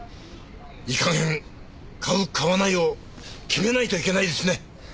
いい加減買う買わないを決めないといけないですね！